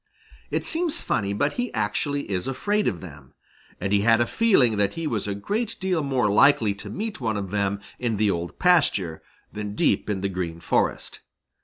It seems funny but he actually is afraid of them. And he had a feeling that he was a great deal more likely to meet one of them in the Old Pasture than deep in the Green Forest.